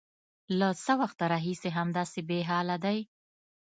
_له څه وخته راهيسې همداسې بېحاله دی؟